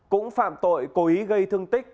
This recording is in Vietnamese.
cũng phạm tội cố ý gây thương tích